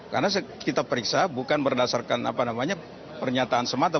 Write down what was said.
karena kita periksa bukan berdasarkan apa namanya pernyataan semata